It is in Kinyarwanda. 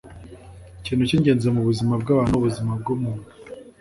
ikintu cyingenzi mubuzima bwabantu ni ubuzima bwumuntu